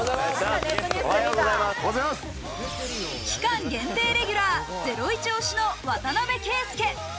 期間限定レギュラー、ゼロイチ推しの渡邊圭祐。